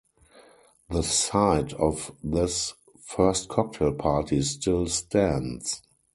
The site of this first cocktail party still stands.